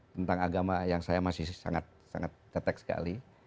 tentang agama yang saya masih sangat tetek sekali